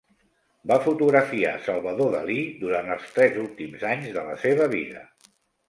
Va fotografiar Salvador Dalí durant els tres últims anys de la seva vida.